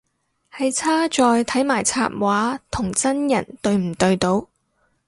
係差在睇埋插畫同真人對唔對到